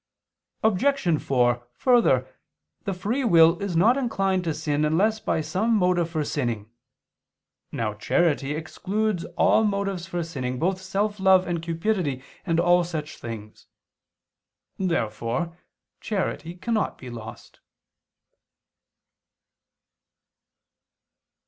Obj. 4: Further, the free will is not inclined to sin unless by some motive for sinning. Now charity excludes all motives for sinning, both self love and cupidity, and all such things. Therefore charity cannot be lost.